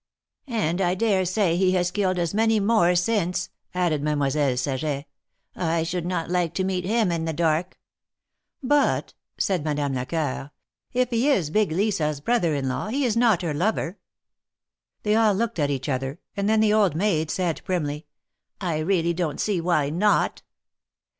"And I dare say he has killed as many more since," added Mademoiselle Saget. "I should not like to meet him in the dark." "But," said Madame Lecoeur, "if he is big Lisa's brother in law, he is not her lover." They all looked at each other, and then the old maid said, primly :" I really don't see why not."